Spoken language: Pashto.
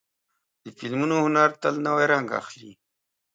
د فلمونو هنر تل نوی رنګ اخلي.